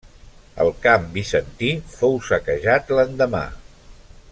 El camp bizantí fou saquejat l'endemà.